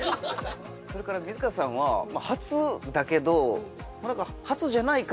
それから水川さんは初だけどもう何か初じゃない感じの。